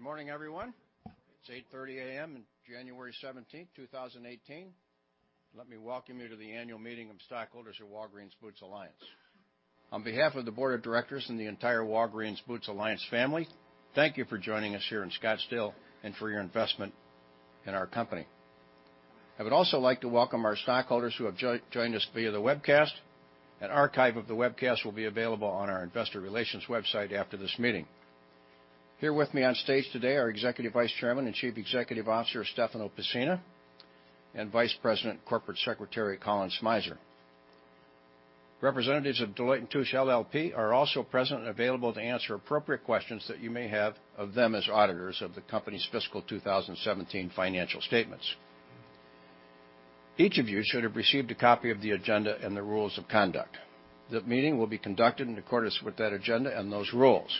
Well, good morning, everyone. It's 8:30 A.M. in 17 January 2018. Let me welcome you to the annual meeting of stockholders of Walgreens Boots Alliance. On behalf of the Board of Directors and the entire Walgreens Boots Alliance family, thank you for joining us here in Scottsdale and for your investment in our company. I would also like to welcome our stockholders who have joined us via the webcast. An archive of the webcast will be available on our investor relations website after this meeting. Here with me on stage today are Executive Vice Chairman and Chief Executive Officer, Stefano Pessina, and Vice President and Corporate Secretary, Colin Smizer. Representatives of Deloitte & Touche LLP are also present and available to answer appropriate questions that you may have of them as auditors of the company's fiscal 2017 financial statements. Each of you should have received a copy of the agenda and the rules of conduct. The meeting will be conducted in accordance with that agenda and those rules.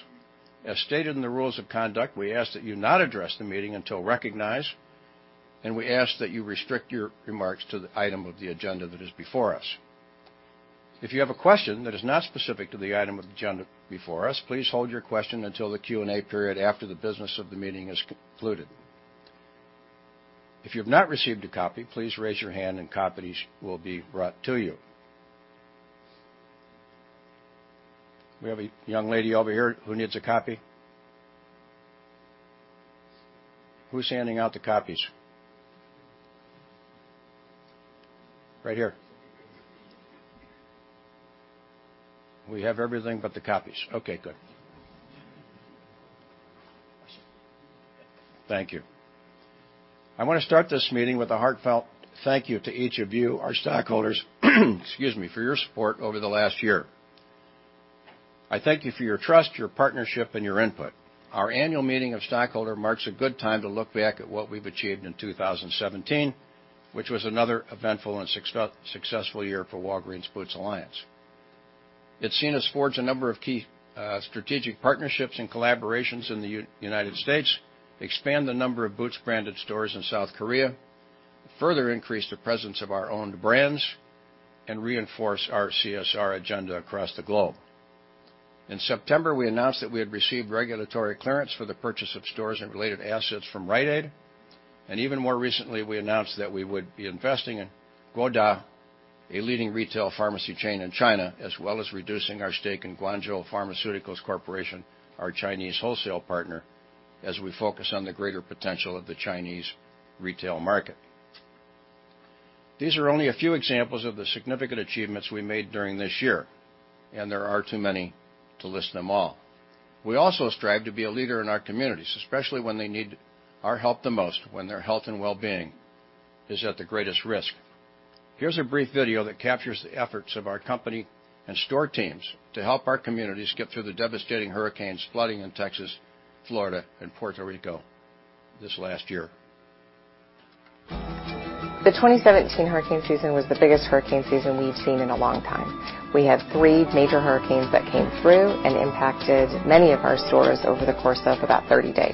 As stated in the rules of conduct, we ask that you not address the meeting until recognized, and we ask that you restrict your remarks to the item of the agenda that is before us. If you have a question that is not specific to the item of the agenda before us, please hold your question until the Q&A period after the business of the meeting is concluded. If you have not received a copy, please raise your hand and copies will be brought to you. We have a young lady over here who needs a copy. Who's handing out the copies? Right here. We have everything but the copies. Okay, good. Thank you. I want to start this meeting with a heartfelt thank you to each of you, our stockholders, excuse me, for your support over the last year. I thank you for your trust, your partnership, and your input. Our annual meeting of stockholders marks a good time to look back at what we've achieved in 2017, which was another eventful and successful year for Walgreens Boots Alliance. It's seen us forge a number of key strategic partnerships and collaborations in the U.S., expand the number of Boots-branded stores in South Korea, further increase the presence of our owned brands, and reinforce our CSR agenda across the globe. In September, we announced that we had received regulatory clearance for the purchase of stores and related assets from Rite Aid, and even more recently, we announced that we would be investing in GuoDa, a leading retail pharmacy chain in China, as well as reducing our stake in Guangzhou Pharmaceuticals Corporation, our Chinese wholesale partner, as we focus on the greater potential of the Chinese retail market. These are only a few examples of the significant achievements we made during this year, and there are too many to list them all. We also strive to be a leader in our communities, especially when they need our help the most, when their health and wellbeing is at the greatest risk. Here's a brief video that captures the efforts of our company and store teams to help our communities get through the devastating hurricanes, flooding in Texas, Florida, and Puerto Rico this last year. The 2017 hurricane season was the biggest hurricane season we've seen in a long time. We had three major hurricanes that came through and impacted many of our stores over the course of about 30 days.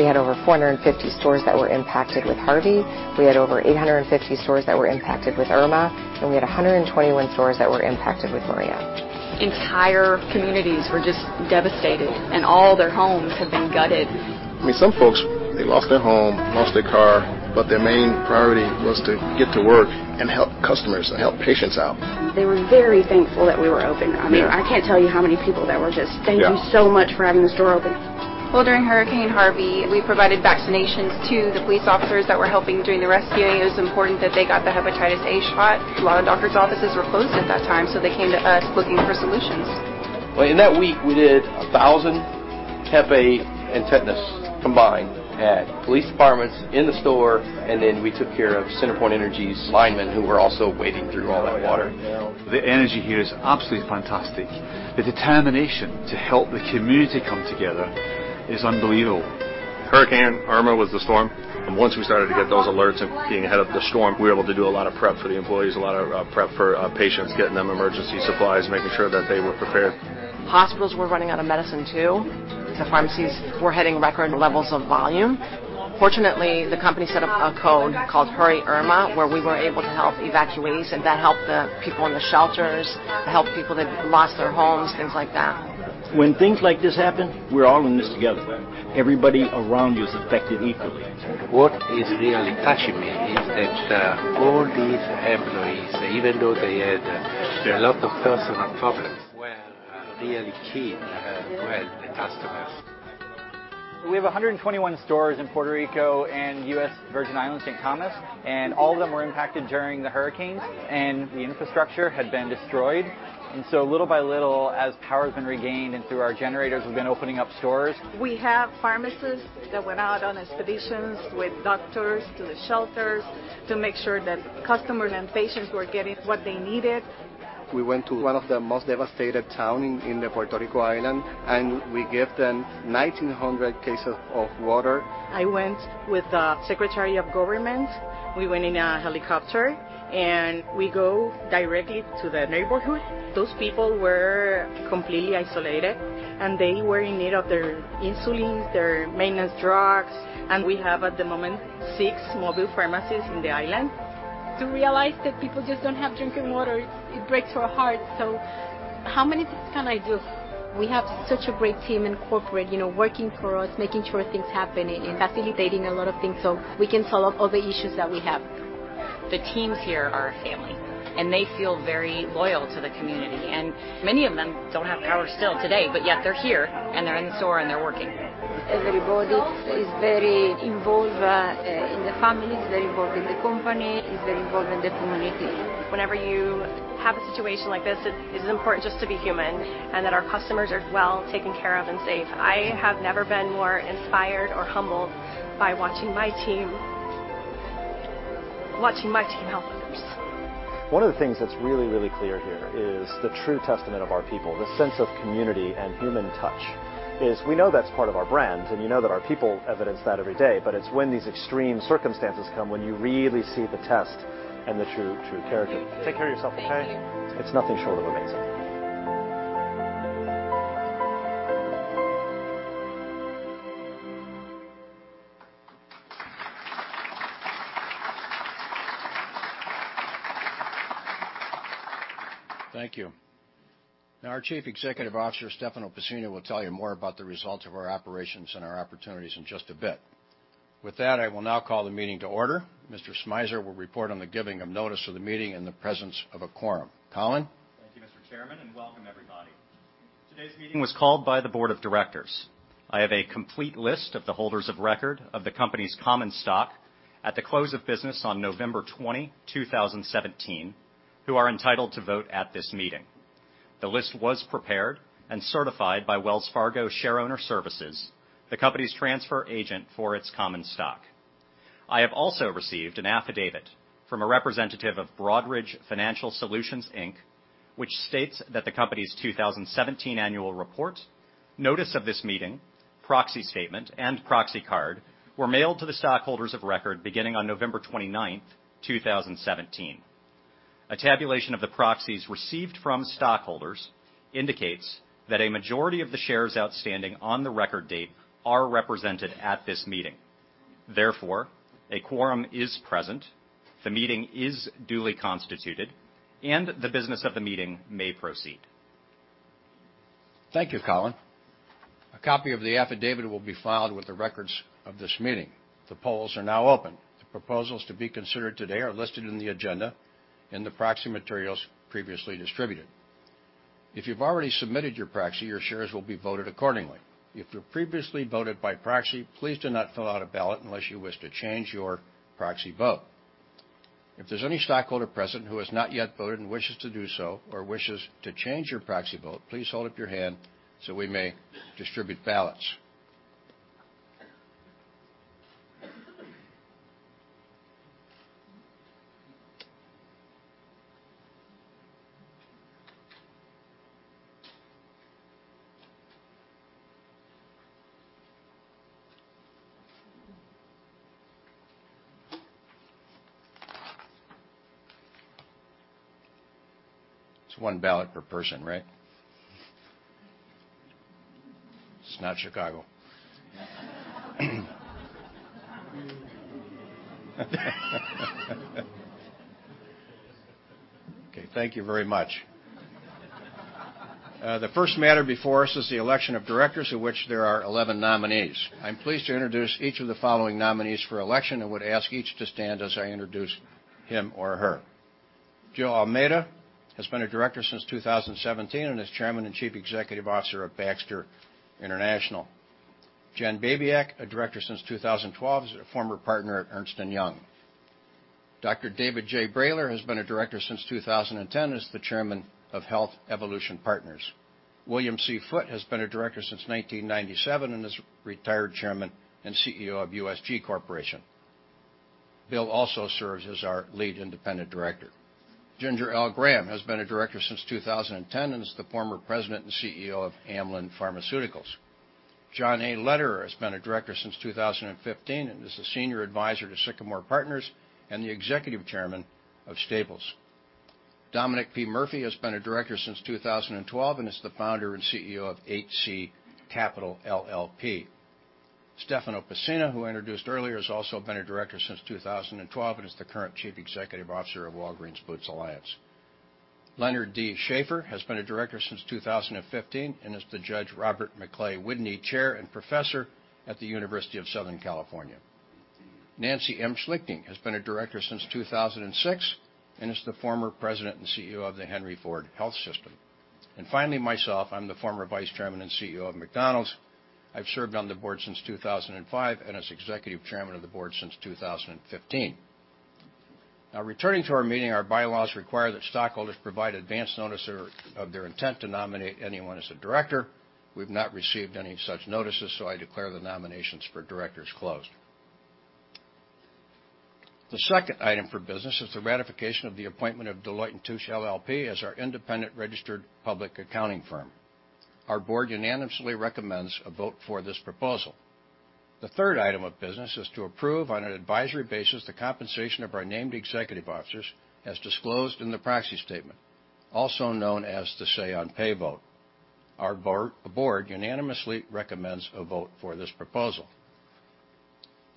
We had over 450 stores that were impacted with Hurricane Harvey. We had over 850 stores that were impacted with Hurricane Irma. We had 121 stores that were impacted with Hurricane Maria. Entire communities were just devastated. All their homes have been gutted. Some folks, they lost their home, lost their car. Their main priority was to get to work and help customers and help patients out. They were very thankful that we were open. Yeah. I can't tell you how many people that were. Yeah “Thank you so much for having the store open.” Well, during Hurricane Harvey, we provided vaccinations to the police officers that were helping during the rescue. It was important that they got the hepatitis A shot. A lot of doctor's offices were closed at that time, so they came to us looking for solutions. In that week, we did 1,000 Hep A and tetanus combined at police departments, in the store, and then we took care of CenterPoint Energy's linemen who were also wading through all that water. The energy here is absolutely fantastic. The determination to help the community come together is unbelievable. Hurricane Irma was the storm. Once we started to get those alerts and being ahead of the storm, we were able to do a lot of prep for the employees, a lot of prep for patients, getting them emergency supplies, making sure that they were prepared. Hospitals were running out of medicine, too. The pharmacies were hitting record levels of volume. Fortunately, the company set up a code called Hurricane Irma, where we were able to help evacuees. That helped the people in the shelters. It helped people that lost their homes, things like that. When things like this happen, we're all in this together. Everybody around you is affected equally. What is really touching me is that all these employees, even though they had a lot of personal problems, were really keen to help the customers. We have 121 stores in Puerto Rico and U.S. Virgin Islands, St. Thomas. All of them were impacted during the hurricanes. The infrastructure had been destroyed. Little by little, as power's been regained and through our generators, we've been opening up stores. We have pharmacists that went out on expeditions with doctors to the shelters to make sure that customers and patients were getting what they needed. We went to one of the most devastated town in Puerto Rico, we gave them 1,900 cases of water. I went with the Secretary of Government. We went in a helicopter, we go directly to the neighborhood. Those people were completely isolated, they were in need of their insulin, their maintenance drugs. We have, at the moment, six mobile pharmacies in the island. To realize that people just don't have drinking water, it breaks our heart. How many things can I do? We have such a great team in corporate, working for us, making sure things happen, facilitating a lot of things so we can solve all the issues that we have. The teams here are a family, they feel very loyal to the community. Many of them don't have power still today, yet they're here and they're in store and they're working. Everybody is very involved in the families, very involved in the company, is very involved in the community. Whenever you have a situation like this, it is important just to be human and that our customers are well taken care of and safe. I have never been more inspired or humbled by watching my team help others. One of the things that's really clear here is the true testament of our people. The sense of community and human touch is we know that's part of our brand, and you know that our people evidence that every day, but it's when these extreme circumstances come, when you really see the test and the true character. Take care of yourself, okay? Thank you. It's nothing short of amazing. Thank you. Now our Chief Executive Officer, Stefano Pessina, will tell you more about the results of our operations and our opportunities in just a bit. With that, I will now call the meeting to order. Mr. Smizer will report on the giving of notice of the meeting in the presence of a quorum. Colin? Thank you, Mr. Chairman. Welcome everybody. Today's meeting was called by the board of directors. I have a complete list of the holders of record of the company's common stock at the close of business on November 20, 2017, who are entitled to vote at this meeting. The list was prepared and certified by Wells Fargo Shareowner Services, the company's transfer agent for its common stock. I have also received an affidavit from a representative of Broadridge Financial Solutions, Inc., which states that the company's 2017 Annual Report, notice of this meeting, Proxy Statement, and Proxy Card were mailed to the stockholders of record beginning on November 29th, 2017. A tabulation of the proxies received from stockholders indicates that a majority of the shares outstanding on the record date are represented at this meeting. A quorum is present, the meeting is duly constituted, and the business of the meeting may proceed. Thank you, Colin. A copy of the affidavit will be filed with the records of this meeting. The polls are now open. The proposals to be considered today are listed in the agenda in the proxy materials previously distributed. If you've already submitted your proxy, your shares will be voted accordingly. If you previously voted by proxy, please do not fill out a ballot unless you wish to change your proxy vote. If there's any stockholder present who has not yet voted and wishes to do so, or wishes to change your proxy vote, please hold up your hand so we may distribute ballots. It's one ballot per person, right? This is not Chicago. Okay. Thank you very much. The first matter before us is the election of directors of which there are 11 nominees. I'm pleased to introduce each of the following nominees for election and would ask each to stand as I introduce him or her. José E. Almeida has been a director since 2017 and is Chairman and Chief Executive Officer of Baxter International. Janice M. Babiak, a director since 2012, is a former partner at Ernst & Young. Dr. David J. Brailer has been a director since 2010 as the Chairman of Health Evolution Partners. William C. Foote has been a director since 1997 and is retired Chairman and CEO of USG Corporation. Bill also serves as our Lead Independent Director. Ginger L. Graham has been a director since 2010 and is the former President and CEO of Amylin Pharmaceuticals. John A. Lederer has been a director since 2015 and is the Senior Advisor to Sycamore Partners and the Executive Chairman of Staples. Dominic P. Murphy has been a director since 2012 and is the founder and CEO of HC Capital Partners LLC. Stefano Pessina, who I introduced earlier, has also been a director since 2012 and is the current Chief Executive Officer of Walgreens Boots Alliance. Leonard D. Schaeffer has been a director since 2015 and is the Judge Robert Maclay Widney Chair and Professor at the University of Southern California. Nancy M. Schlichting has been a director since 2006 and is the former President and CEO of the Henry Ford Health System. Finally, myself, I'm the former Vice Chairman and CEO of McDonald's. I've served on the board since 2005 and as Executive Chairman of the board since 2015. Now returning to our meeting, our bylaws require that stockholders provide advanced notice of their intent to nominate anyone as a director. We've not received any such notices, I declare the nominations for directors closed. The second item for business is the ratification of the appointment of Deloitte & Touche LLP as our independent registered public accounting firm. Our board unanimously recommends a vote for this proposal. The third item of business is to approve, on an advisory basis, the compensation of our named executive officers as disclosed in the proxy statement, also known as the Say on Pay vote. Our board unanimously recommends a vote for this proposal.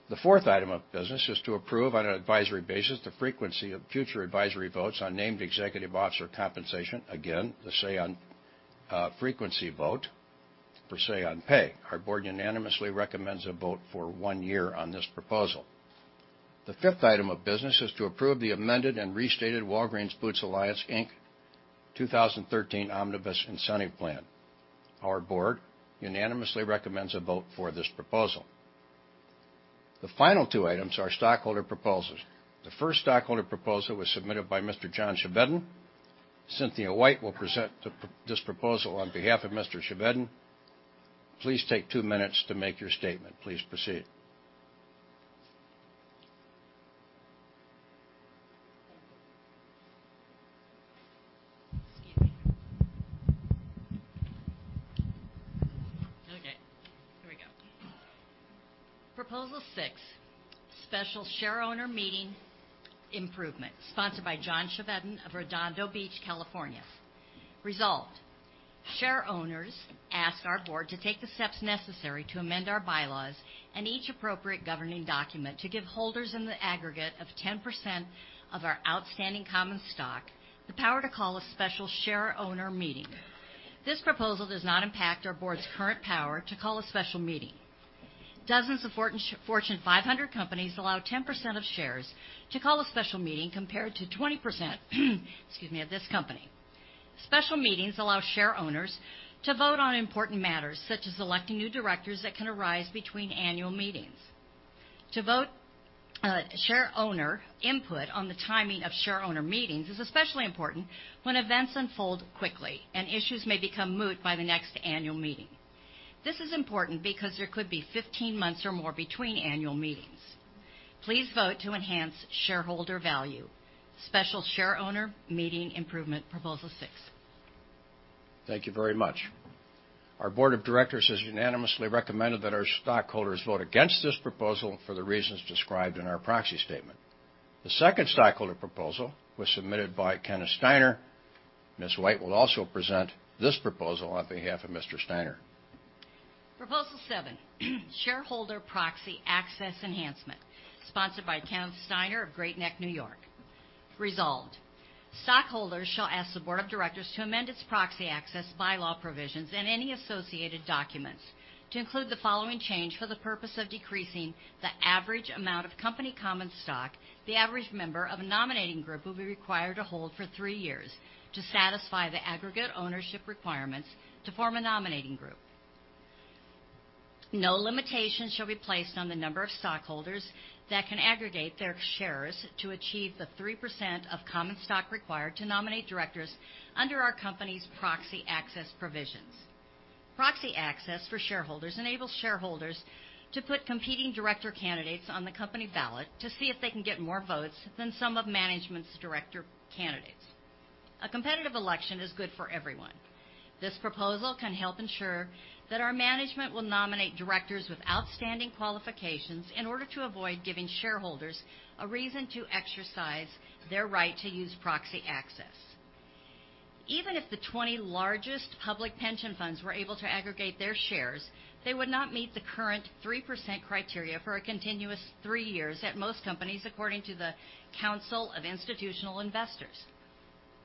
The fourth item of business is to approve on an advisory basis the frequency of future advisory votes on named executive officer compensation. Again, the say on frequency vote for Say on Pay. Our board unanimously recommends a vote for one year on this proposal. The fifth item of business is to approve the amended and restated Walgreens Boots Alliance, Inc. 2013 Omnibus Incentive Plan. Our board unanimously recommends a vote for this proposal. The final two items are stockholder proposals. The first stockholder proposal was submitted by Mr. John Chevedden. Cynthia White will present this proposal on behalf of Mr. Chevedden. Please take two minutes to make your statement. Please proceed. Excuse me. Okay, here we go. Proposal six, special shareowner meeting improvement, sponsored by John Chevedden of Redondo Beach, California. Result, shareowners ask our board to take the steps necessary to amend our bylaws and each appropriate governing document to give holders in the aggregate of 10% of our outstanding common stock, the power to call a special shareowner meeting. This proposal does not impact our board's current power to call a special meeting. Dozens of Fortune 500 companies allow 10% of shares to call a special meeting compared to 20%, excuse me, of this company. Special meetings allow shareowners to vote on important matters such as electing new directors that can arise between annual meetings. Shareowner input on the timing of shareowner meetings is especially important when events unfold quickly, and issues may become moot by the next annual meeting. This is important because there could be 15 months or more between annual meetings. Please vote to enhance shareholder value. Special shareowner meeting improvement, proposal six. Thank you very much. Our board of directors has unanimously recommended that our stockholders vote against this proposal for the reasons described in our proxy statement. The second stockholder proposal was submitted by Kenneth Steiner. Ms. White will also present this proposal on behalf of Mr. Steiner. Proposal seven, shareholder proxy access enhancement, sponsored by Kenneth Steiner of Great Neck, N.Y. Result, stockholders shall ask the board of directors to amend its proxy access bylaw provisions and any associated documents to include the following change for the purpose of decreasing the average amount of company common stock the average member of a nominating group will be required to hold for three years to satisfy the aggregate ownership requirements to form a nominating group. No limitations shall be placed on the number of stockholders that can aggregate their shares to achieve the 3% of common stock required to nominate directors under our company's proxy access provisions. Proxy access for shareholders enables shareholders to put competing director candidates on the company ballot to see if they can get more votes than some of management's director candidates. A competitive election is good for everyone. This proposal can help ensure that our management will nominate directors with outstanding qualifications in order to avoid giving shareholders a reason to exercise their right to use proxy access. Even if the 20 largest public pension funds were able to aggregate their shares, they would not meet the current 3% criteria for a continuous three years at most companies, according to the Council of Institutional Investors.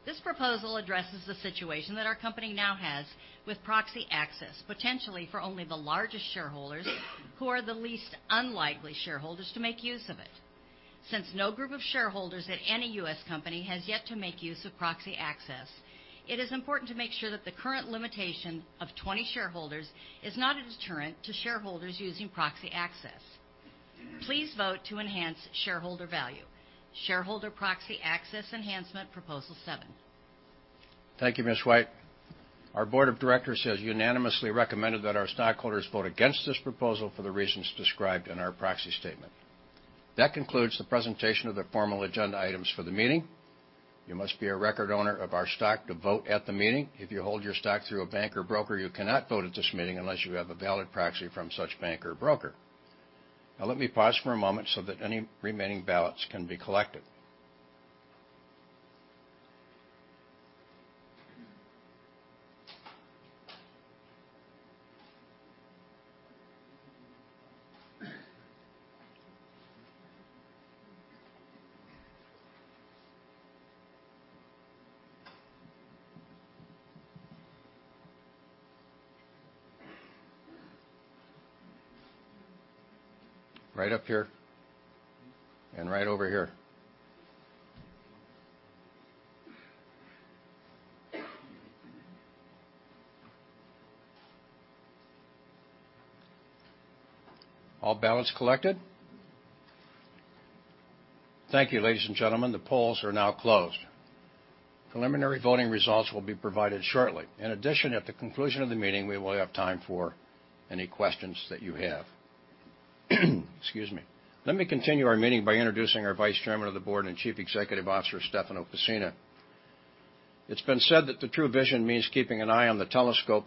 This proposal addresses the situation that our company now has with proxy access, potentially for only the largest shareholders who are the least unlikely shareholders to make use of it. Since no group of shareholders at any U.S. company has yet to make use of proxy access, it is important to make sure that the current limitation of 20 shareholders is not a deterrent to shareholders using proxy access. Please vote to enhance shareholder value. Shareholder proxy access enhancement, proposal seven. Thank you, Ms. White. Our board of directors has unanimously recommended that our stockholders vote against this proposal for the reasons described in our proxy statement. That concludes the presentation of the formal agenda items for the meeting. You must be a record owner of our stock to vote at the meeting. If you hold your stock through a bank or broker, you cannot vote at this meeting unless you have a valid proxy from such bank or broker. Let me pause for a moment so that any remaining ballots can be collected. Right up here and right over here. All ballots collected? Thank you, ladies and gentlemen. The polls are now closed. Preliminary voting results will be provided shortly. In addition, at the conclusion of the meeting, we will have time for any questions that you have. Excuse me. Let me continue our meeting by introducing our Vice Chairman of the Board and Chief Executive Officer, Stefano Pessina. It's been said that the true vision means keeping an eye on the telescope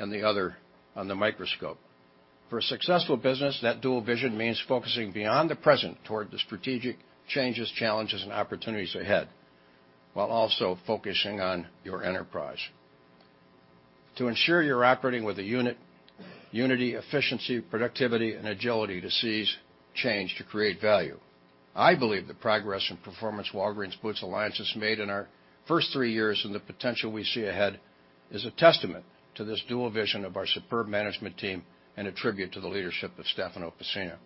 and the other on the microscope. For a successful business, that dual vision means focusing beyond the present toward the strategic changes, challenges, and opportunities ahead, while also focusing on your enterprise. To ensure you're operating with unity, efficiency, productivity, and agility to seize change to create value. I believe the progress and performance Walgreens Boots Alliance has made in our first three years, and the potential we see ahead, is a testament to this dual vision of our superb management team and a tribute to the leadership of Stefano Pessina.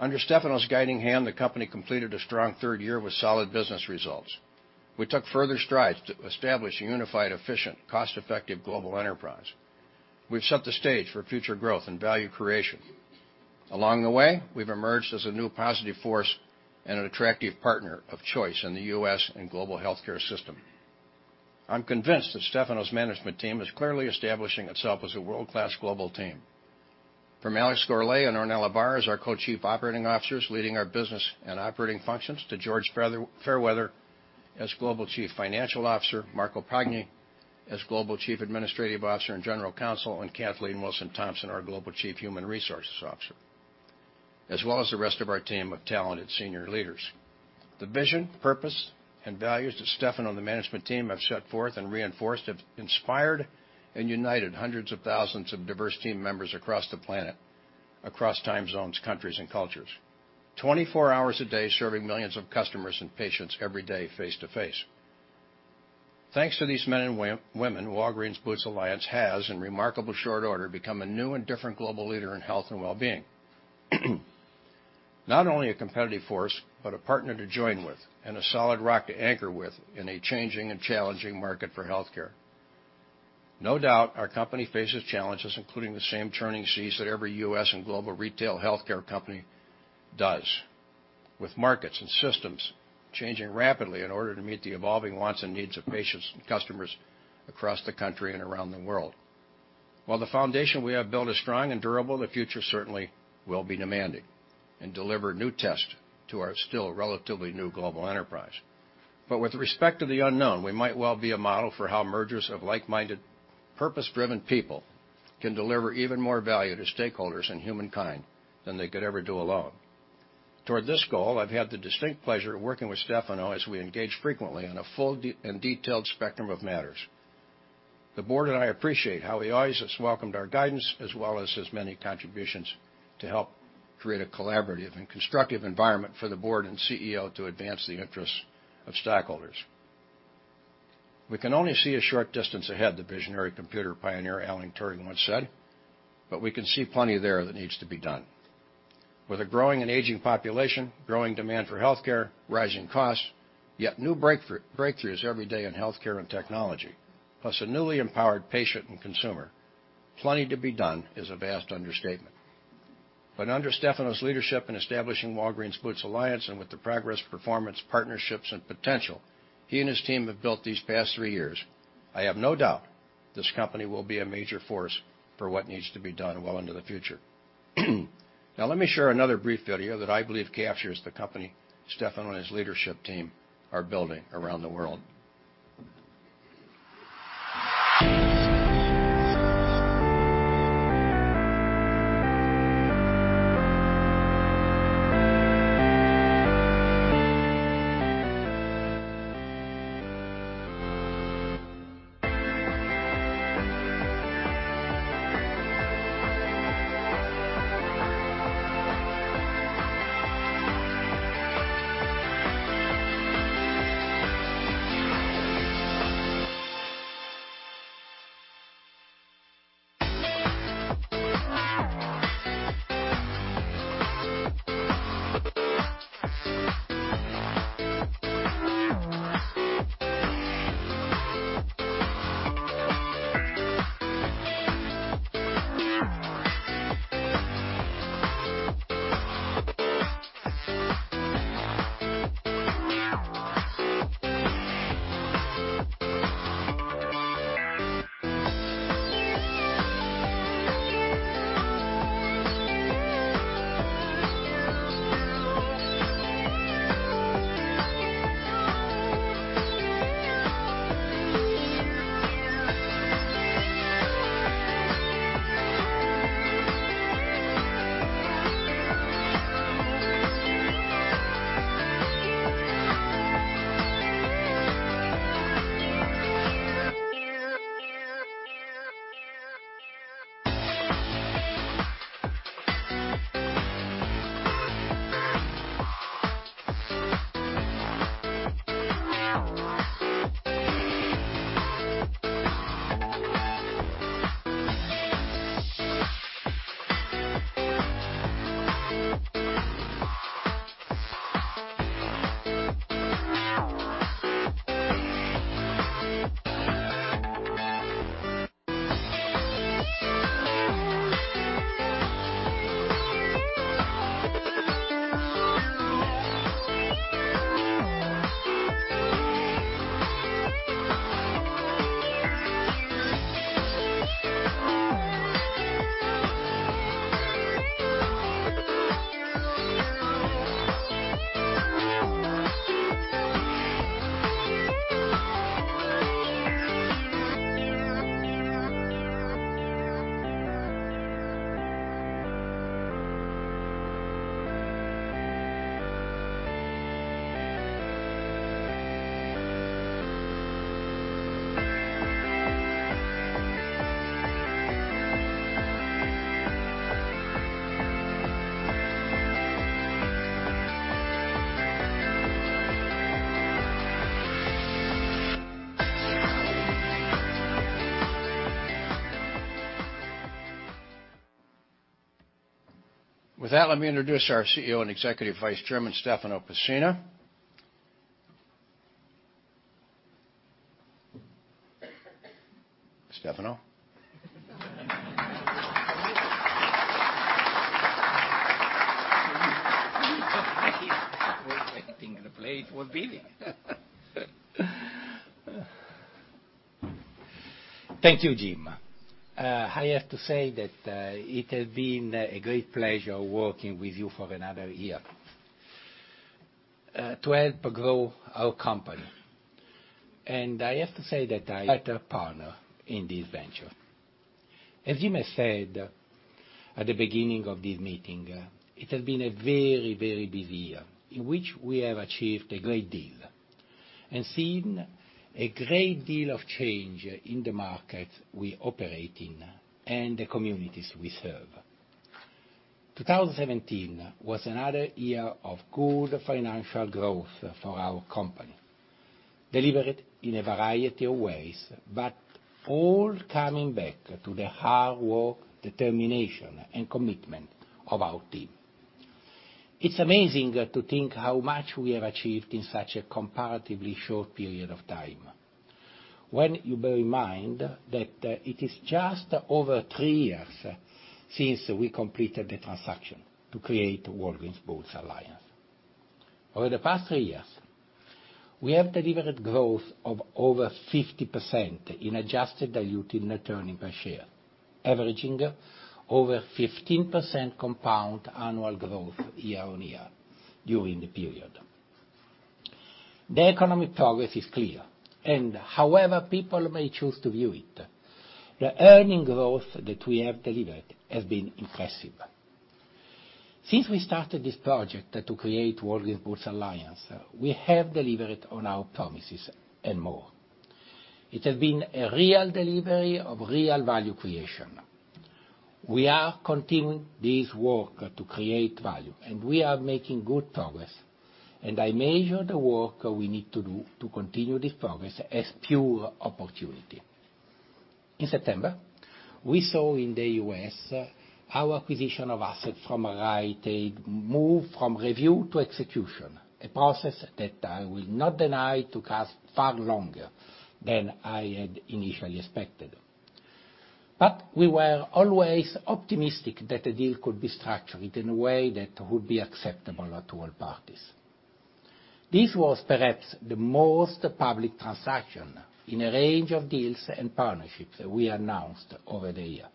Under Stefano's guiding hand, the company completed a strong third year with solid business results. We took further strides to establish a unified, efficient, cost-effective global enterprise. We've set the stage for future growth and value creation. Along the way, we've emerged as a new positive force and an attractive partner of choice in the U.S. and global healthcare system. I'm convinced that Stefano's management team is clearly establishing itself as a world-class global team. From Alex Gourlay and Ornella Barra, as our co-chief operating officers leading our business and operating functions, to George Fairweather as global chief financial officer, Marco Pagni as global chief administrative officer and general counsel, and Kathleen Wilson-Thompson, our global chief human resources officer, as well as the rest of our team of talented senior leaders. The vision, purpose, and values that Stefano and the management team have set forth and reinforced have inspired and united hundreds of thousands of diverse team members across the planet, across time zones, countries, and cultures, 24 hours a day, serving millions of customers and patients every day face to face. Thanks to these men and women, Walgreens Boots Alliance has, in remarkable short order, become a new and different global leader in health and wellbeing. Not only a competitive force, but a partner to join with, and a solid rock to anchor with in a changing and challenging market for healthcare. No doubt our company faces challenges, including the same churning seas that every U.S. and global retail healthcare company does, with markets and systems changing rapidly in order to meet the evolving wants and needs of patients and customers across the country and around the world. While the foundation we have built is strong and durable, the future certainly will be demanding and deliver new tests to our still relatively new global enterprise. With respect to the unknown, we might well be a model for how mergers of like-minded, purpose-driven people can deliver even more value to stakeholders and humankind than they could ever do alone. Toward this goal, I've had the distinct pleasure of working with Stefano as we engage frequently on a full and detailed spectrum of matters. The board and I appreciate how he always has welcomed our guidance as well as his many contributions to help create a collaborative and constructive environment for the board and CEO to advance the interests of stakeholders. We can only see a short distance ahead," the visionary computer pioneer Alan Turing once said, "we can see plenty there that needs to be done." With a growing and aging population, growing demand for healthcare, rising costs, yet new breakthroughs every day in healthcare and technology, plus a newly empowered patient and consumer, plenty to be done is a vast understatement. Under Stefano's leadership in establishing Walgreens Boots Alliance and with the progress, performance, partnerships, and potential he and his team have built these past three years, I have no doubt this company will be a major force for what needs to be done well into the future. Now let me share another brief video that I believe captures the company Stefano and his leadership team are building around the world. With that, let me introduce our CEO and Executive Vice Chairman, Stefano Pessina. Stefano? I was waiting for the play for bidding. Thank you, Jim. I have to say that it has been a great pleasure working with you for another year to help grow our company. I have to say that I had a partner in this venture. As Jim has said at the beginning of this meeting, it has been a very busy year in which we have achieved a great deal and seen a great deal of change in the markets we operate in and the communities we serve. 2017 was another year of good financial growth for our company, delivered in a variety of ways, but all coming back to the hard work, determination, and commitment of our team. It's amazing to think how much we have achieved in such a comparatively short period of time. When you bear in mind that it is just over three years since we completed the transaction to create Walgreens Boots Alliance. Over the past three years, we have delivered growth of over 50% in adjusted diluted net earnings per share, averaging over 15% compound annual growth year-on-year during the period. The economic progress is clear, however people may choose to view it, the earnings growth that we have delivered has been impressive. Since we started this project to create Walgreens Boots Alliance, we have delivered on our promises and more. It has been a real delivery of real value creation. We are continuing this work to create value, we are making good progress, I measure the work we need to do to continue this progress as pure opportunity. In September, we saw in the U.S. our acquisition of assets from Rite Aid move from review to execution, a process that I will not deny took us far longer than I had initially expected. We were always optimistic that the deal could be structured in a way that would be acceptable to all parties. This was perhaps the most public transaction in a range of deals and partnerships that we announced over the year.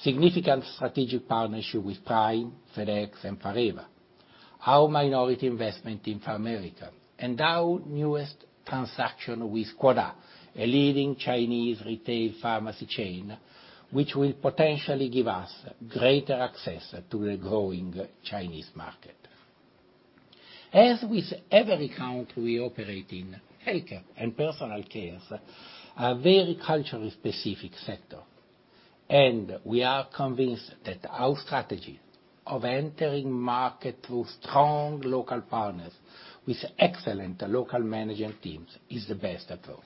Significant strategic partnership with Prime Therapeutics, FedEx, and Fareva, our minority investment in PharMerica, and our newest transaction with GuoDa, a leading Chinese retail pharmacy chain, which will potentially give us greater access to the growing Chinese market. As with every country we operate in, healthcare and personal care are very culturally specific sector, we are convinced that our strategy of entering market through strong local partners with excellent local management teams is the best approach.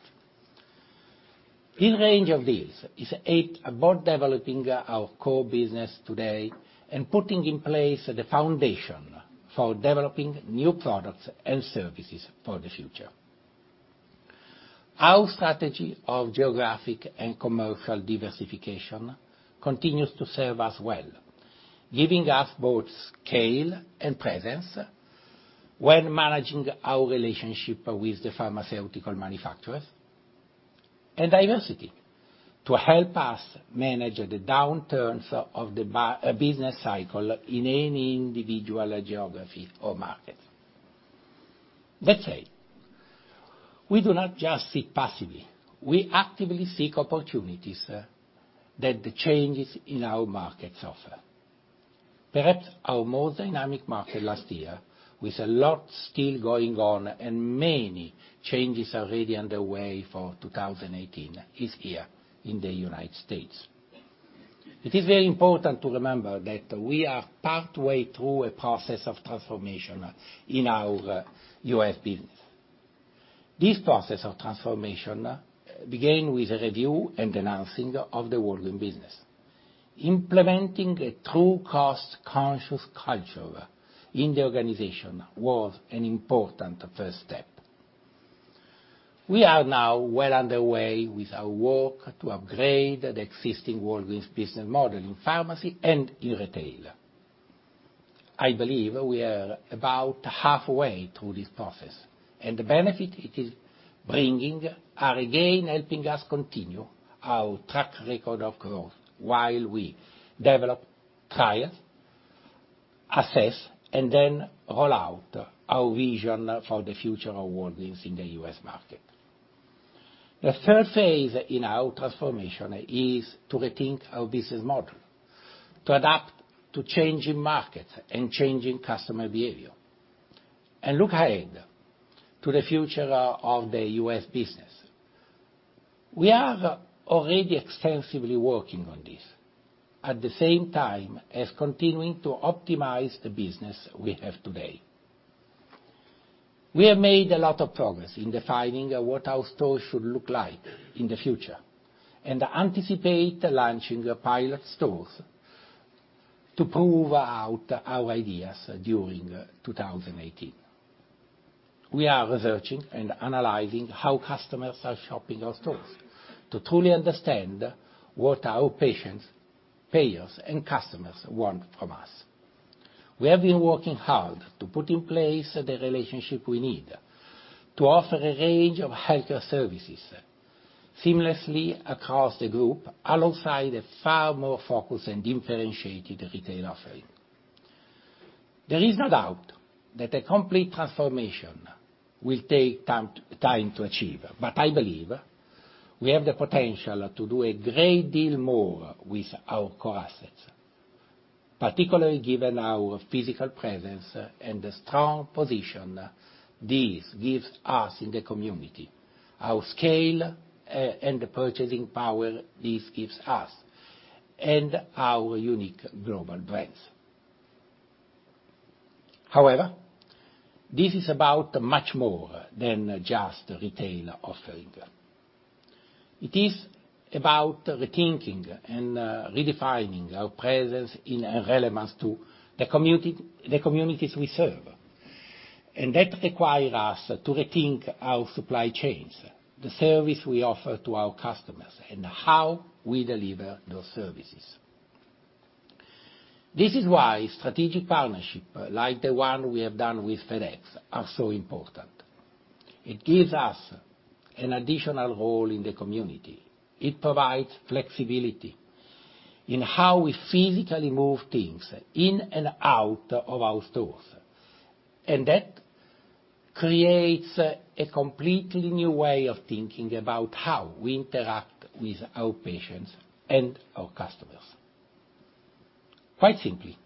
This range of deals is aimed at developing our core business today, putting in place the foundation for developing new products and services for the future. Our strategy of geographic and commercial diversification continues to serve us well, giving us both scale and presence when managing our relationship with the pharmaceutical manufacturers, diversity to help us manage the downturns of the business cycle in any individual geography or market. That said, we do not just sit passively. We actively seek opportunities that the changes in our markets offer. Perhaps our most dynamic market last year, with a lot still going on and many changes already underway for 2018, is here in the United States. It is very important to remember that we are partway through a process of transformation in our U.S. business. This process of transformation began with a review and announcing of the Walgreens business. Implementing a true cost-conscious culture in the organization was an important first step. We are now well underway with our work to upgrade the existing Walgreens business model in pharmacy and in retail. I believe we are about halfway through this process, and the benefit it is bringing are again helping us continue our track record of growth while we develop trials Assess and then roll out our vision for the future of Walgreens in the U.S. market. The third phase in our transformation is to rethink our business model, to adapt to changing markets and changing customer behavior, and look ahead to the future of the U.S. business. We are already extensively working on this, at the same time as continuing to optimize the business we have today. We have made a lot of progress in defining what our stores should look like in the future, and anticipate launching pilot stores to prove out our ideas during 2018. We are researching and analyzing how customers are shopping our stores to truly understand what our patients, payers, and customers want from us. We have been working hard to put in place the relationship we need to offer a range of healthcare services seamlessly across the group, alongside a far more focused and differentiated retail offering. There is no doubt that a complete transformation will take time to achieve. I believe we have the potential to do a great deal more with our core assets, particularly given our physical presence and the strong position this gives us in the community, our scale and the purchasing power this gives us, and our unique global brands. This is about much more than just retail offering. It is about rethinking and redefining our presence in elements to the communities we serve. That requires us to rethink our supply chains, the service we offer to our customers, and how we deliver those services. This is why strategic partnership, like the one we have done with FedEx, are so important. It gives us an additional role in the community. It provides flexibility in how we physically move things in and out of our stores. That creates a completely new way of thinking about how we interact with our patients and our customers. Quite simply,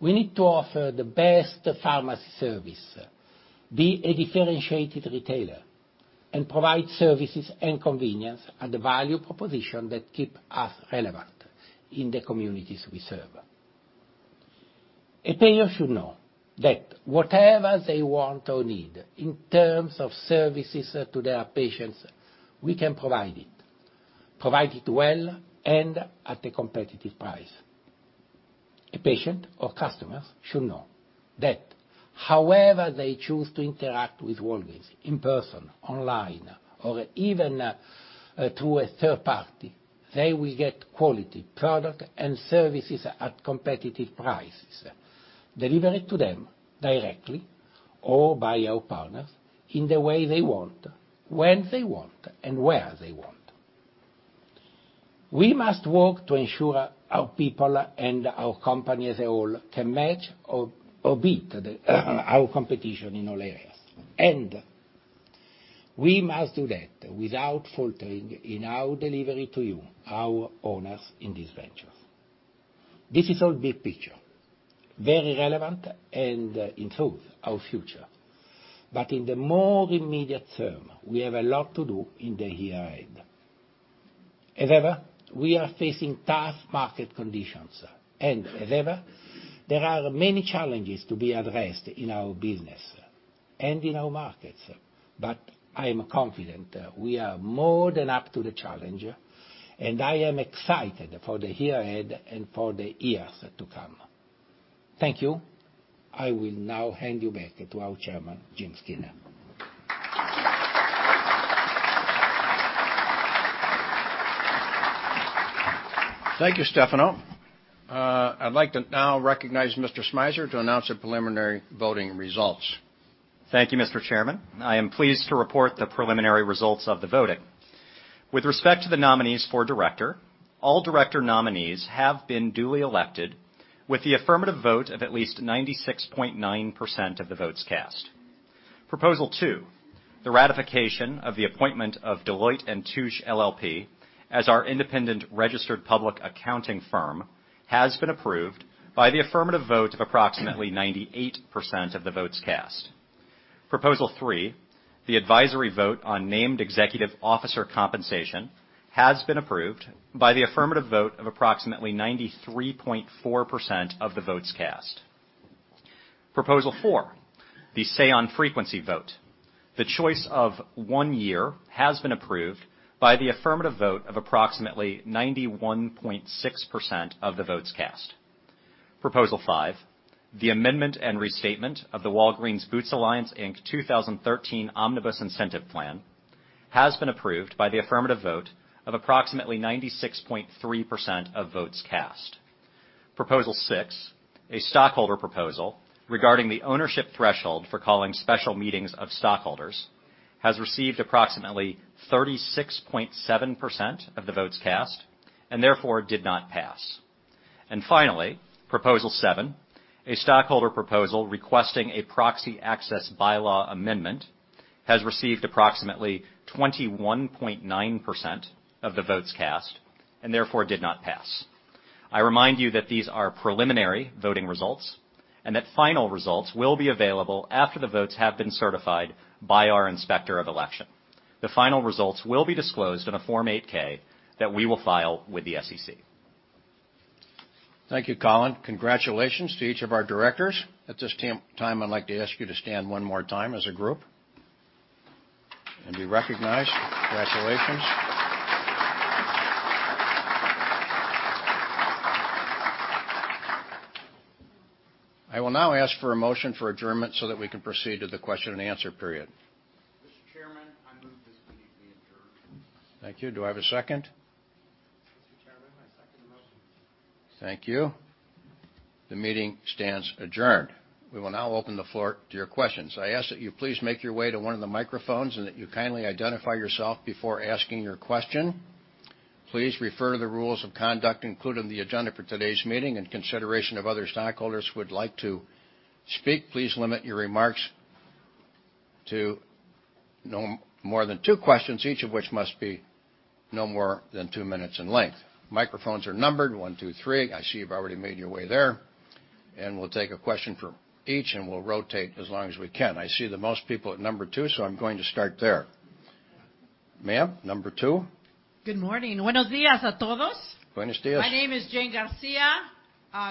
we need to offer the best pharmacy service, be a differentiated retailer, and provide services and convenience at the value proposition that keep us relevant in the communities we serve. A payer should know that whatever they want or need in terms of services to their patients, we can provide it, provide it well, and at a competitive price. A patient or customers should know that however they choose to interact with Walgreens, in person, online, or even through a third party, they will get quality product and services at competitive prices, delivered to them directly or by our partners in the way they want, when they want, and where they want. We must work to ensure our people and our company as a whole can match or beat our competition in all areas. We must do that without faltering in our delivery to you, our owners in this venture. This is all big picture, very relevant, and in truth, our future. In the more immediate term, we have a lot to do in the year ahead. However, we are facing tough market conditions. However, there are many challenges to be addressed in our business and in our markets. I am confident we are more than up to the challenge, and I am excited for the here ahead and for the years to come. Thank you. I will now hand you back to our chairman, Jim Skinner. Thank you, Stefano. I'd like to now recognize Mr. Smizer to announce the preliminary voting results. Thank you, Mr. Chairman. I am pleased to report the preliminary results of the voting. With respect to the nominees for director, all director nominees have been duly elected with the affirmative vote of at least 96.9% of the votes cast. Proposal two, the ratification of the appointment of Deloitte & Touche LLP as our independent registered public accounting firm, has been approved by the affirmative vote of approximately 98% of the votes cast. Proposal three, the advisory vote on named executive officer compensation, has been approved by the affirmative vote of approximately 93.4% of the votes cast. Proposal four, the Say on Pay frequency vote. The choice of one year has been approved by the affirmative vote of approximately 91.6% of the votes cast. Proposal five, the amendment and restatement of the Walgreens Boots Alliance, Inc. 2013 Omnibus Incentive Plan, has been approved by the affirmative vote of approximately 96.3% of votes cast. Proposal six, a stockholder proposal regarding the ownership threshold for calling special meetings of stockholders has received approximately 36.7% of the votes cast and therefore did not pass. Finally, proposal seven, a stockholder proposal requesting a proxy access bylaw amendment, has received approximately 21.9% of the votes cast and therefore did not pass. I remind you that these are preliminary voting results and that final results will be available after the votes have been certified by our inspector of election. The final results will be disclosed in a Form 8-K that we will file with the SEC. Thank you, Colin. Congratulations to each of our directors. At this time, I'd like to ask you to stand one more time as a group and be recognized. Congratulations. I will now ask for a motion for adjournment so that we can proceed to the question and answer period. Mr. Chairman, I move this meeting be adjourned. Thank you. Do I have a second? Mr. Chairman, I second the motion. Thank you. The meeting stands adjourned. We will now open the floor to your questions. I ask that you please make your way to one of the microphones and that you kindly identify yourself before asking your question. Please refer to the rules of conduct included in the agenda for today's meeting. In consideration of other stockholders who would like to speak, please limit your remarks to no more than two questions, each of which must be no more than two minutes in length. Microphones are numbered one, two, three. I see you have already made your way there, and we will take a question from each, and we will rotate as long as we can. I see the most people at number 2, so I am going to start there. Ma'am, number 2? Good morning. My name is Jane Garcia.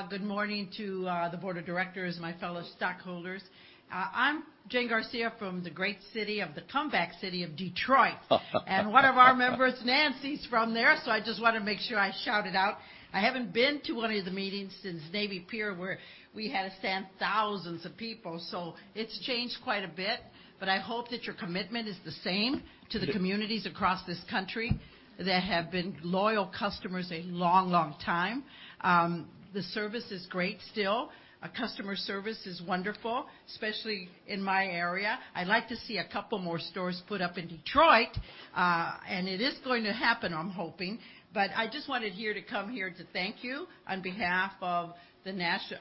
Good morning to the board of directors, my fellow stockholders. I am Jane Garcia from the great city, of the comeback city, of Detroit. One of our members, Nancy, is from there, so I just want to make sure I shout it out. I haven't been to one of the meetings since Navy Pier, where we had to stand thousands of people, so it is changed quite a bit. I hope that your commitment is the same to the communities across this country that have been loyal customers a long time. The service is great still. Customer service is wonderful, especially in my area. I would like to see a couple more stores put up in Detroit, and it is going to happen, I am hoping. I just wanted here to come here to thank you on behalf of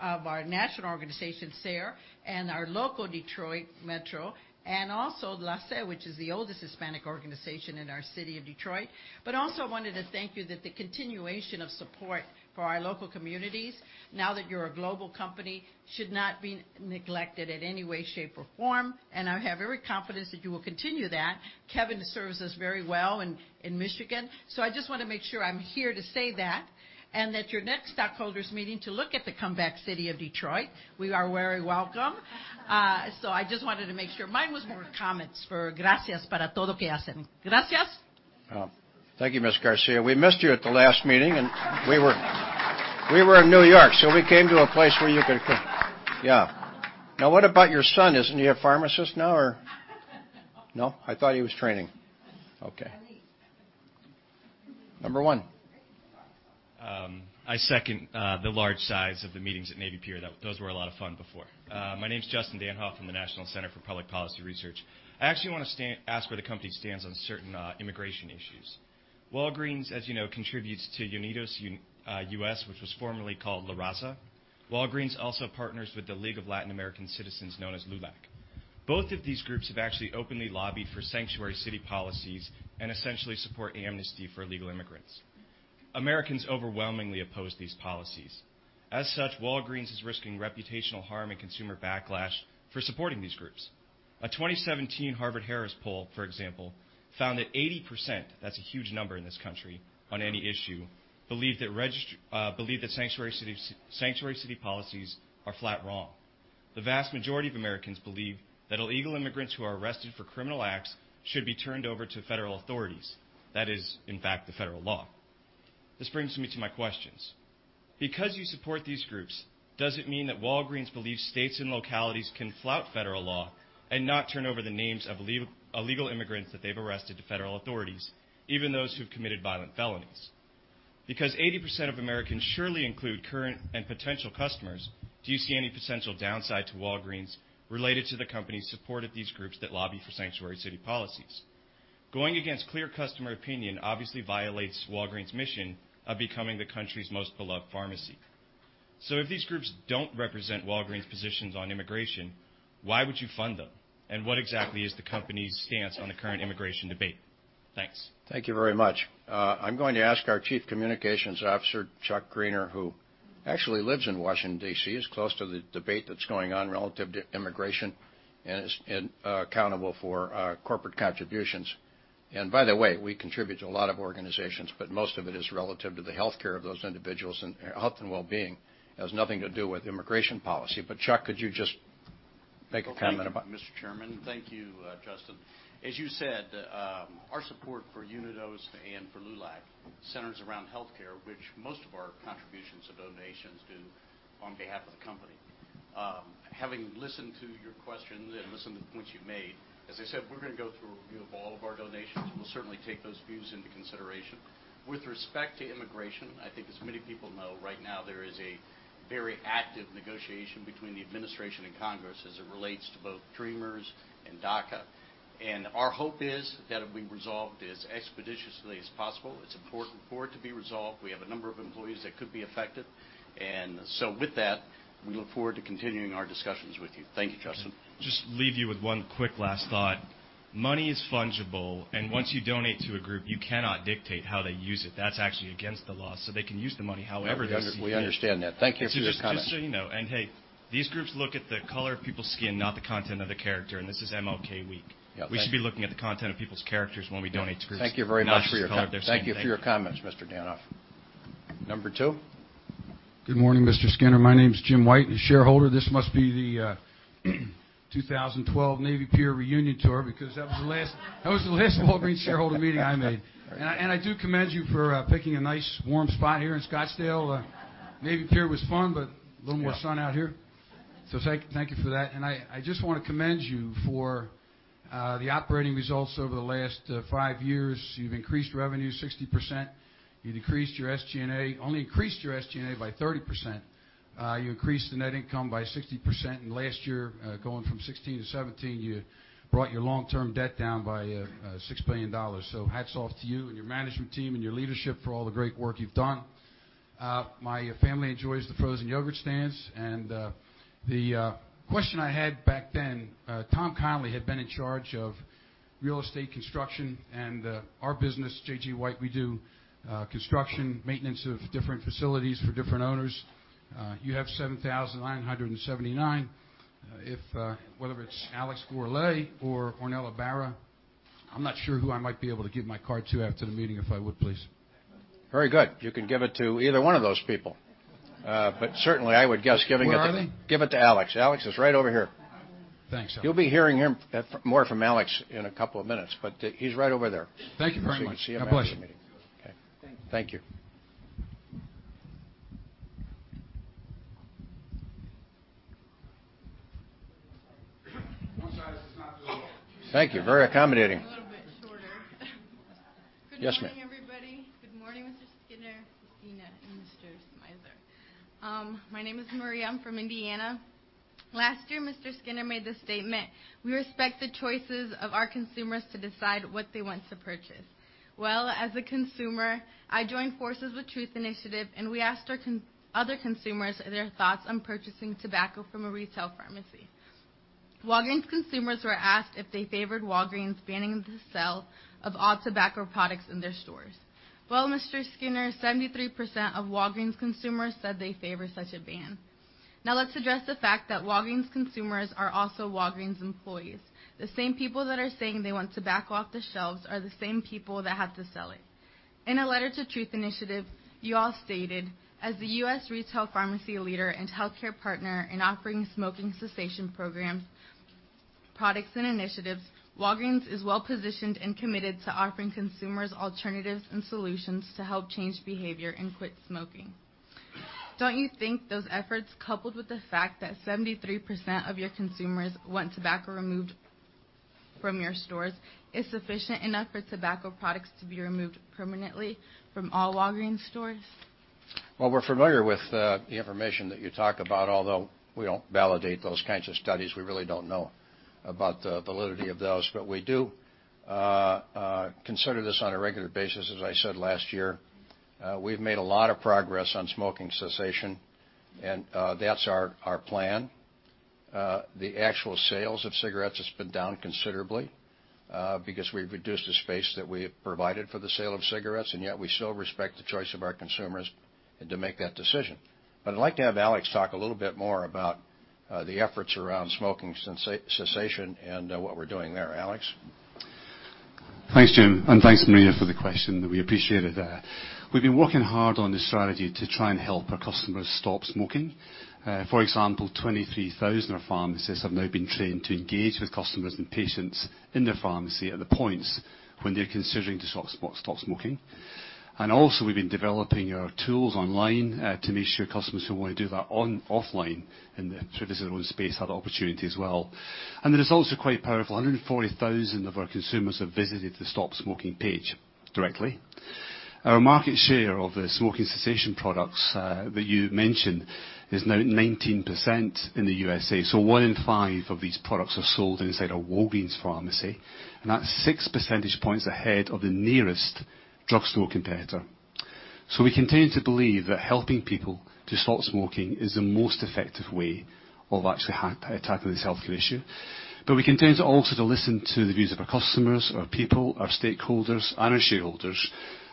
our national organization, SER, and our local Detroit Metro, and also LA SED, which is the oldest Hispanic organization in our city of Detroit. Also wanted to thank you that the continuation of support for our local communities, now that you are a global company, should not be neglected in any way, shape, or form, and I have every confidence that you will continue that. Kevin serves us very well in Michigan. I just want to make sure I am here to say that and that your next stockholders meeting to look at the comeback City of Detroit, we are very welcome. I just wanted to make sure mine was more comments for Thank you, Ms. Garcia. We missed you at the last meeting, and we were in New York, so we came to a place where you could come. Yeah. What about your son? Isn't he a pharmacist now or No? I thought he was training. Okay. Number 1. I second the large size of the meetings at Navy Pier. Those were a lot of fun before. My name's Justin Danhoff from the National Center for Public Policy Research. I actually want to ask where the company stands on certain immigration issues. Walgreens, as you know, contributes to UnidosUS, which was formerly called La Raza. Walgreens also partners with the League of Latin American Citizens, known as LULAC. Both of these groups have actually openly lobbied for sanctuary city policies and essentially support amnesty for illegal immigrants. Americans overwhelmingly oppose these policies. A 2017 Harvard-Harris poll, for example, found that 80%, that's a huge number in this country on any issue, believe that sanctuary city policies are flat wrong. The vast majority of Americans believe that illegal immigrants who are arrested for criminal acts should be turned over to federal authorities. That is, in fact, the federal law. This brings me to my questions. Because you support these groups, does it mean that Walgreens believes states and localities can flout federal law and not turn over the names of illegal immigrants that they've arrested to federal authorities, even those who've committed violent felonies? Because 80% of Americans surely include current and potential customers, do you see any potential downside to Walgreens related to the company's support of these groups that lobby for sanctuary city policies? Going against clear customer opinion obviously violates Walgreens' mission of becoming the country's most beloved pharmacy. If these groups don't represent Walgreens' positions on immigration, why would you fund them? What exactly is the company's stance on the current immigration debate? Thanks. Thank you very much. I'm going to ask our Chief Communications Officer, Charles Greiner, who actually lives in Washington, D.C., is close to the debate that's going on relative to immigration and is accountable for our corporate contributions. By the way, we contribute to a lot of organizations, but most of it is relative to the healthcare of those individuals and health and wellbeing. It has nothing to do with immigration policy. Chuck, could you just make a comment about- Thank you, Mr. Chairman. Thank you, Justin. As you said, our support for Unidos and for LULAC centers around healthcare, which most of our contributions and donations do on behalf of the company. Having listened to your questions and listened to the points you've made, as I said, we're going to go through All of our donations. We'll certainly take those views into consideration. With respect to immigration, I think as many people know, right now, there is a very active negotiation between the Administration and Congress as it relates to both dreamers and DACA. Our hope is that it will be resolved as expeditiously as possible. It's important for it to be resolved. We have a number of employees that could be affected. With that, we look forward to continuing our discussions with you. Thank you, Justin. Just leave you with one quick last thought. Money is fungible, and once you donate to a group, you cannot dictate how they use it. That's actually against the law. They can use the money however they see fit. We understand that. Thank you for your comment. Just so you know. Hey, these groups look at the color of people's skin, not the content of the character, and this is MLK week. Yeah. Thank you. We should be looking at the content of people's characters when we donate to groups. Thank you very much for your comments, Mr. Danhoff. Number two. Good morning, Mr. Skinner. My name is Jim White, a shareholder. This must be the 2012 Navy Pier reunion tour, because that was the last Walgreens shareholder meeting I made. I do commend you for picking a nice warm spot here in Scottsdale. Navy Pier was fun, a little more sun out here. Thank you for that. I just want to commend you for the operating results over the last five years. You've increased revenue 60%, you decreased your SG&A, only increased your SG&A by 30%. You increased the net income by 60% in last year, going from 2016 to 2017, you brought your long-term debt down by $6 billion. Hats off to you and your management team and your leadership for all the great work you've done. My family enjoys the frozen yogurt stands. The question I had back then, Thomas Connolly had been in charge of real estate construction and our business, J.G. White, we do construction, maintenance of different facilities for different owners. You have 7,979. Whether it is Alex Gourlay or Ornella Barra, I am not sure who I might be able to give my card to after the meeting, if I would please. Very good. You can give it to either one of those people. Certainly, I would guess. Where are they? Give it to Alex. Alex is right over here. Thanks. You'll be hearing more from Alex in a couple of minutes, he's right over there. Thank you very much. You can see him after the meeting. My pleasure. Okay. Thank you. Thank you. Very accommodating. A little bit shorter. Yes, ma'am. Good morning, everybody. Good morning, Mr. Skinner, Pessina, and Mr. Smizer. My name is Maria. I'm from Indiana. Last year, Mr. Skinner made the statement, "We respect the choices of our consumers to decide what they want to purchase." Well, as a consumer, I joined forces with Truth Initiative, and we asked other consumers their thoughts on purchasing tobacco from a retail pharmacy. Walgreens consumers were asked if they favored Walgreens banning the sale of all tobacco products in their stores. Well, Mr. Skinner, 73% of Walgreens consumers said they favor such a ban. Now let's address the fact that Walgreens consumers are also Walgreens employees. The same people that are saying they want tobacco off the shelves are the same people that have to sell it. In a letter to Truth Initiative, you all stated, "As the U.S. retail pharmacy leader and healthcare partner in offering smoking cessation programs, products, and initiatives, Walgreens is well-positioned and committed to offering consumers alternatives and solutions to help change behavior and quit smoking." Don't you think those efforts, coupled with the fact that 73% of your consumers want tobacco removed from your stores, is sufficient enough for tobacco products to be removed permanently from all Walgreens stores? Well, we're familiar with the information that you talk about, although we don't validate those kinds of studies. We really don't know about the validity of those. We do consider this on a regular basis. As I said last year, we've made a lot of progress on smoking cessation, and that's our plan. The actual sales of cigarettes has been down considerably because we've reduced the space that we have provided for the sale of cigarettes, and yet we still respect the choice of our consumers to make that decision. I'd like to have Alex talk a little bit more about the efforts around smoking cessation and what we're doing there. Alex? Thanks, Jim. Thanks, Maria, for the question. We appreciate it. We've been working hard on this strategy to try and help our customers stop smoking. For example, 23,000 of our pharmacists have now been trained to engage with customers and patients in their pharmacy at the points when they're considering to stop smoking. Also, we've been developing our tools online to make sure customers who want to do that offline in the privacy of their own space have the opportunity as well. The results are quite powerful. 140,000 of our consumers have visited the stop smoking page directly. Our market share of the smoking cessation products that you mentioned is now 19% in the U.S.A. One in five of these products are sold inside a Walgreens pharmacy, and that's six percentage points ahead of the nearest drugstore competitor. We continue to believe that helping people to stop smoking is the most effective way of actually tackling this health issue. We continue to also to listen to the views of our customers, our people, our stakeholders, and our shareholders.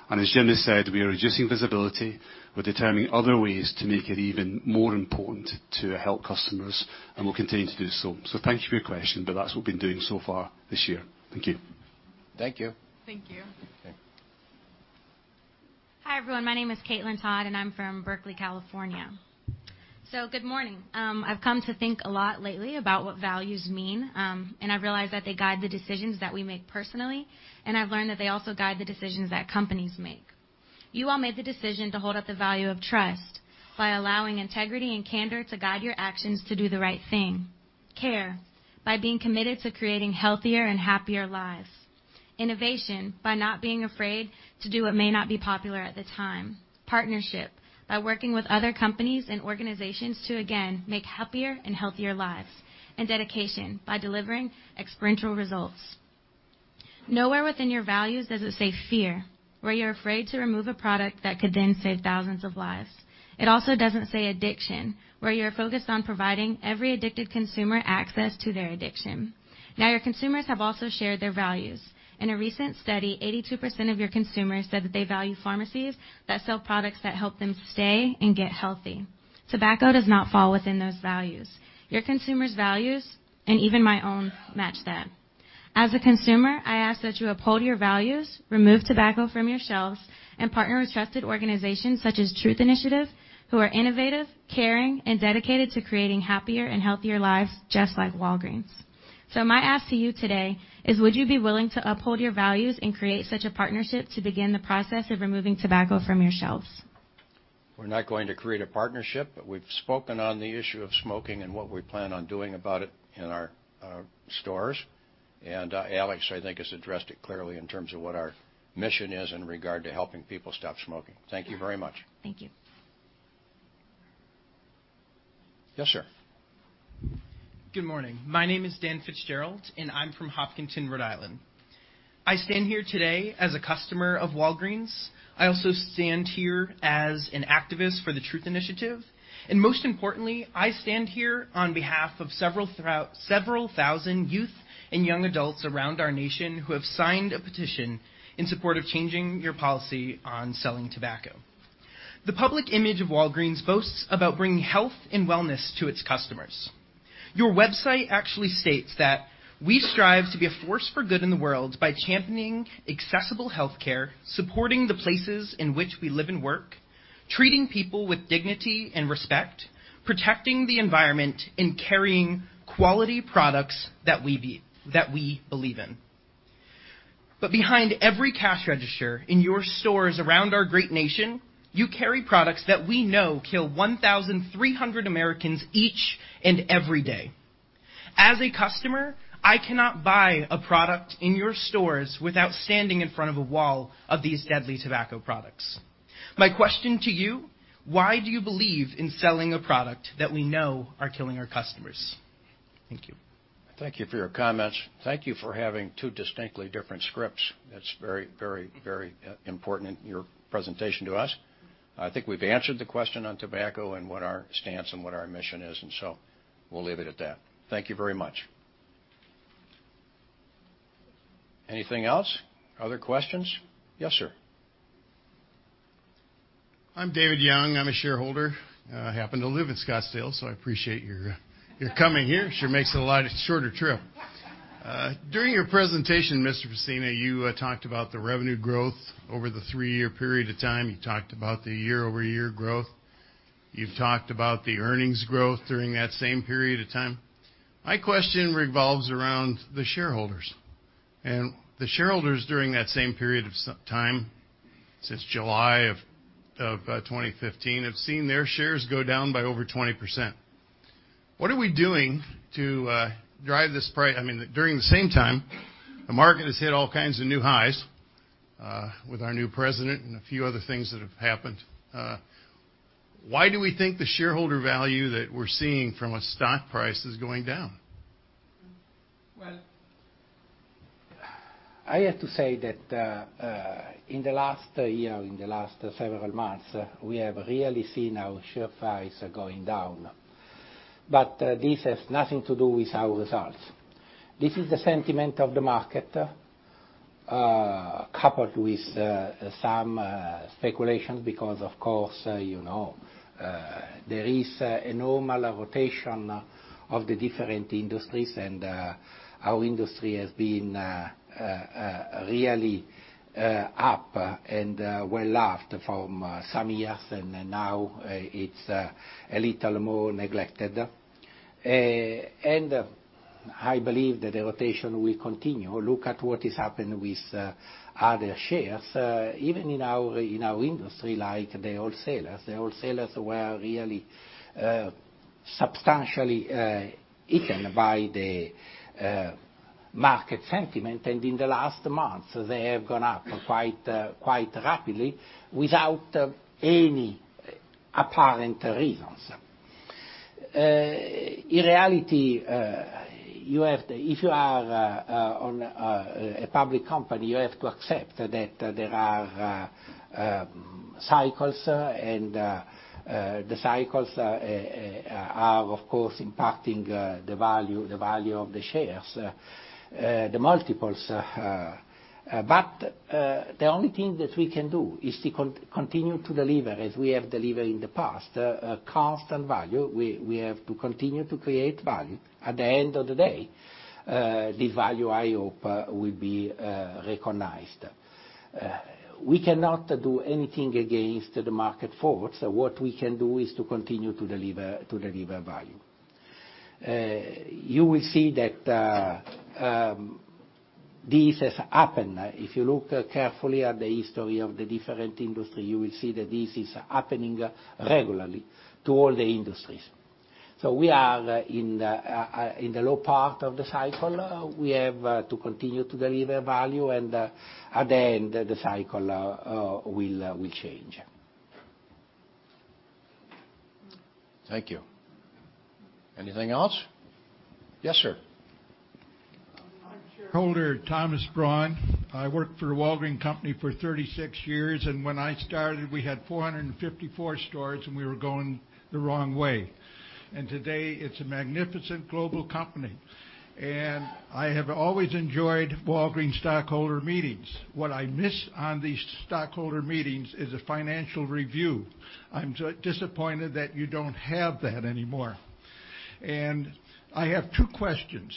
As Jim has said, we are reducing visibility. We're determining other ways to make it even more important to help customers, we'll continue to do so. Thank you for your question, but that's what we've been doing so far this year. Thank you. Thank you. Thank you. Okay. Hi, everyone. My name is Caitlin Todd, and I'm from Berkeley, California. Good morning. I've come to think a lot lately about what values mean, and I've realized that they guide the decisions that we make personally, and I've learned that they also guide the decisions that companies make. You all made the decision to hold up the value of trust by allowing integrity and candor to guide your actions to do the right thing. Care, by being committed to creating healthier and happier lives. Innovation, by not being afraid to do what may not be popular at the time. Partnership, by working with other companies and organizations to, again, make happier and healthier lives. Dedication, by delivering experiential results. Nowhere within your values does it say fear, where you're afraid to remove a product that could then save thousands of lives. It also doesn't say addiction, where you're focused on providing every addicted consumer access to their addiction. Your consumers have also shared their values. In a recent study, 82% of your consumers said that they value pharmacies that sell products that help them stay and get healthy. Tobacco does not fall within those values. Your consumers' values, and even my own, match that. As a consumer, I ask that you uphold your values, remove tobacco from your shelves, and partner with trusted organizations such as Truth Initiative, who are innovative, caring, and dedicated to creating happier and healthier lives just like Walgreens. My ask to you today is, would you be willing to uphold your values and create such a partnership to begin the process of removing tobacco from your shelves? We're not going to create a partnership, we've spoken on the issue of smoking and what we plan on doing about it in our stores. Alex, I think, has addressed it clearly in terms of what our mission is in regard to helping people stop smoking. Thank you very much. Thank you. Yes, sir. Good morning. My name is Dan Fitzgerald, and I'm from Hopkinton, Rhode Island. I stand here today as a customer of Walgreens. I also stand here as an activist for the Truth Initiative. Most importantly, I stand here on behalf of several thousand youth and young adults around our nation who have signed a petition in support of changing your policy on selling tobacco. The public image of Walgreens boasts about bringing health and wellness to its customers. Your website actually states that, "We strive to be a force for good in the world by championing accessible healthcare, supporting the places in which we live and work, treating people with dignity and respect, protecting the environment, and carrying quality products that we believe in." Behind every cash register in your stores around our great nation, you carry products that we know kill 1,300 Americans each and every day. As a customer, I cannot buy a product in your stores without standing in front of a wall of these deadly tobacco products. My question to you: why do you believe in selling a product that we know are killing our customers? Thank you. Thank you for your comments. Thank you for having two distinctly different scripts. That's very important in your presentation to us. I think we've answered the question on tobacco and what our stance and what our mission is, so we'll leave it at that. Thank you very much. Anything else? Other questions? Yes, sir. I'm David Young. I'm a shareholder. I happen to live in Scottsdale, so I appreciate your coming here. Sure makes it a lot shorter trip. During your presentation, Mr. Pessina, you talked about the revenue growth over the three-year period of time. You talked about the year-over-year growth. You've talked about the earnings growth during that same period of time. My question revolves around the shareholders. The shareholders during that same period of some time since July of 2015 have seen their shares go down by over 20%. What are we doing? During the same time, the market has hit all kinds of new highs, with our new president and a few other things that have happened. Why do we think the shareholder value that we're seeing from a stock price is going down? Well, I have to say that in the last year, in the last several months, we have really seen our share price going down. This has nothing to do with our results. This is the sentiment of the market, coupled with some speculation because of course, there is a normal rotation of the different industries, and our industry has been really up and well loved for some years, and now it's a little more neglected. I believe that the rotation will continue. Look at what is happening with other shares. Even in our industry, like the wholesalers. The wholesalers were really substantially eaten by the market sentiment. In the last month, they have gone up quite rapidly without any apparent reasons. In reality, if you are a public company, you have to accept that there are cycles, and the cycles are, of course, impacting the value of the shares, the multiples. The only thing that we can do is to continue to deliver as we have delivered in the past. Constant value. We have to continue to create value. At the end of the day, this value, I hope, will be recognized. We cannot do anything against the market force. What we can do is to continue to deliver value. You will see that this has happened. If you look carefully at the history of the different industry, you will see that this is happening regularly to all the industries. We are in the low part of the cycle. We have to continue to deliver value, and at the end, the cycle will change. Thank you. Anything else? Yes, sir. I'm a shareholder, Thomas Braun. I worked for the Walgreens company for 36 years, and when I started, we had 454 stores, and we were going the wrong way. Today it's a magnificent global company. I have always enjoyed Walgreens shareholder meetings. What I miss on these shareholder meetings is a financial review. I'm disappointed that you don't have that anymore. I have two questions.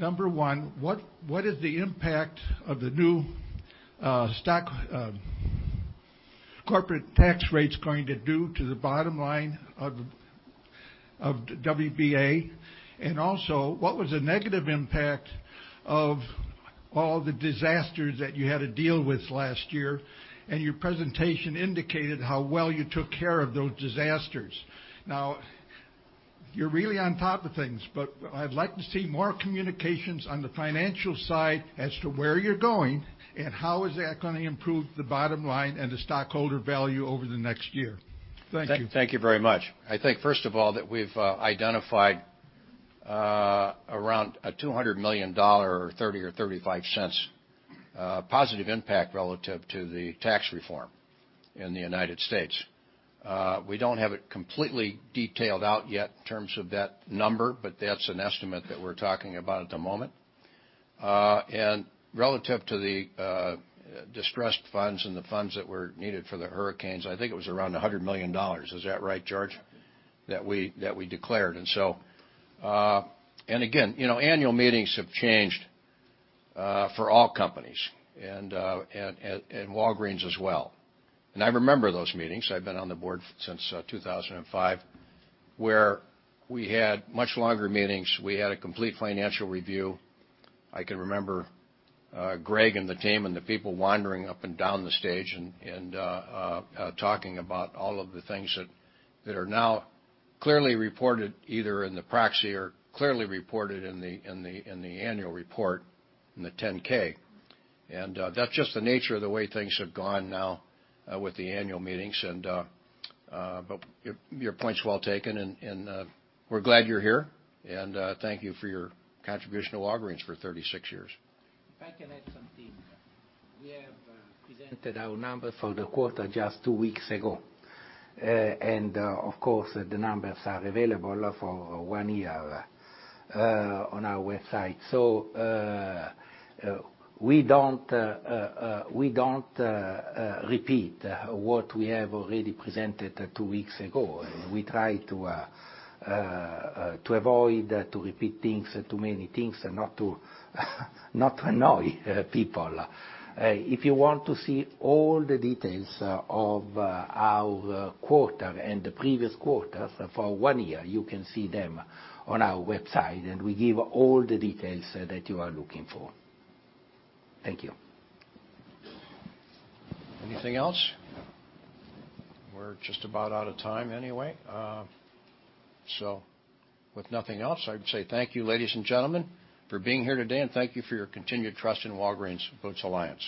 Number one, what is the impact of the new corporate tax rates going to do to the bottom line of WBA? Also, what was the negative impact of all the disasters that you had to deal with last year? Your presentation indicated how well you took care of those disasters. You're really on top of things, but I'd like to see more communications on the financial side as to where you're going and how is that going to improve the bottom line and the stockholder value over the next year. Thank you. Thank you very much. I think, first of all, that we've identified around $200 million or $0.30 or $0.35 positive impact relative to the tax reform in the U.S. We don't have it completely detailed out yet in terms of that number, but that's an estimate that we're talking about at the moment. Relative to the distressed funds and the funds that were needed for the hurricanes, I think it was around $100 million. Is that right, George? That we declared. Again, annual meetings have changed for all companies, and Walgreens as well. I remember those meetings. I've been on the board since 2005, where we had much longer meetings. We had a complete financial review. I can remember Greg and the team and the people wandering up and down the stage and talking about all of the things that are now clearly reported either in the proxy or clearly reported in the annual report, in the 10-K. That's just the nature of the way things have gone now with the annual meetings. Your point's well taken, and we're glad you're here, and thank you for your contribution to Walgreens for 36 years. If I can add something. We have presented our numbers for the quarter just 2 weeks ago. Of course, the numbers are available for 1 year on our website. We don't repeat what we have already presented 2 weeks ago. We try to avoid to repeat things, too many things, and not to annoy people. If you want to see all the details of our quarter and the previous quarters for 1 year, you can see them on our website, and we give all the details that you are looking for. Thank you. Anything else? We're just about out of time anyway. With nothing else, I would say thank you, ladies and gentlemen, for being here today, and thank you for your continued trust in Walgreens Boots Alliance.